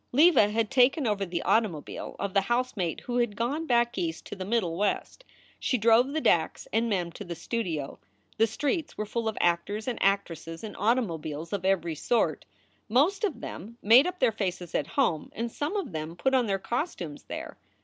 Leva had taken over the automobile of the housemate who had gone back East to the Middle West. She drove the Dacks and Mem to the studio. The streets were full of actors and actresses in automobiles of every sort. Most of them made up their faces at home and some of them put on their costumes there.